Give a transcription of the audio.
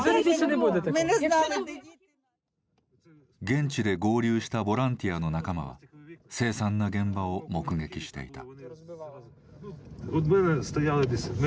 現地で合流したボランティアの仲間は凄惨な現場を目撃していた。